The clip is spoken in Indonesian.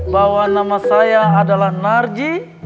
bahwa nama saya adalah narji